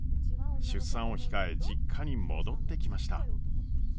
出産を控え実家に戻ってきました。